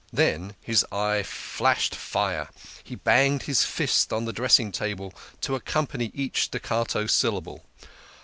Then his eye flashed fire ; he banged his fist on the dressing table to accompany each staccato syllable.